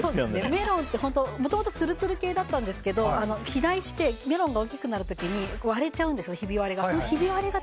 メロンってもともとつるつる系だったんですけどメロンが大きくなる時に割れちゃうんですよ、ひび割れが。